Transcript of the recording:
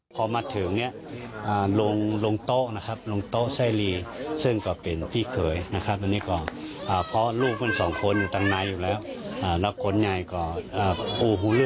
พอมาถึงเนี่ยลงโต๊ะนะครับลงโต๊ะไส้ลีซึ่งก็เป็นพี่เขยนะครับ